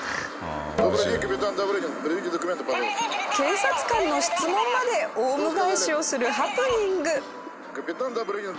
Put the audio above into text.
警察官の質問までオウム返しをするハプニング。